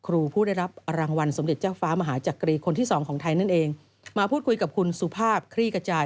และบุคลากรีคนที่๒ของไทยนั่นเองมาพูดคุยกับคุณสุภาพคลีกระจาย